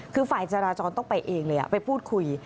คือฝ่ายจราจรต้องไปเองเลยไปพูดคุย